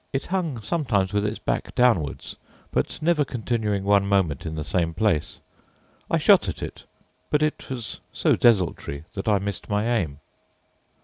It hung sometimes with its back downwards, but never continuing one moment in the same place. I shot at it, but it was so desultory that I missed my aim.